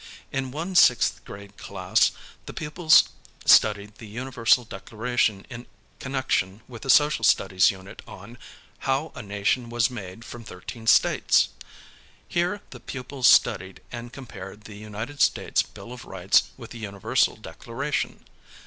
In one sixth grade class, the pupils studied the Universal Declaration in connection with a social studies unit on "How a Nation Was Made from Thirteen Slates." Here the pupils studied and compared the United States Bill of Rights with the Universal Declaration.